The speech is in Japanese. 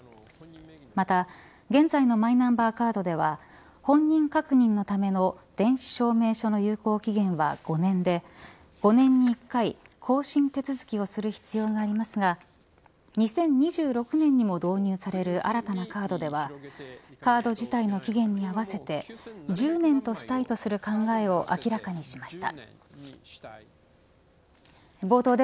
また現在のマイナンバーカードでは本人確認のための電子証明書の有効期限は５年で５年に１回更新手続きをする必要がありますが２０２６年にも導入される新たなカードではカード自体の期限に合わせて１０年としたいとする考えを明らかにしました。